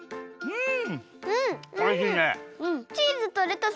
うん。